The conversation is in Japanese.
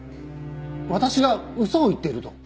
私が嘘を言っていると？